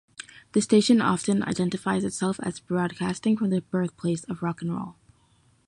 The station often identifies itself as broadcasting from the birthplace of rock and roll.